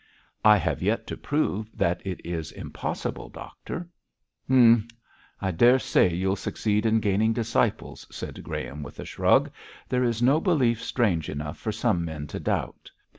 'I have yet to prove that it is impossible, doctor.' 'Humph! I daresay you'll succeed in gaining disciples,' said Graham, with a shrug. 'There is no belief strange enough for some men to doubt.